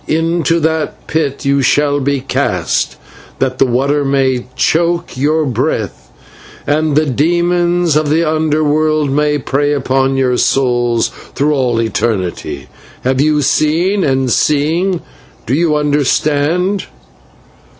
Into that pit you shall be cast, that the water may choke your breath, and the demons of the under world may prey upon your souls through all eternity. Have you seen, and, seeing, do you understand?"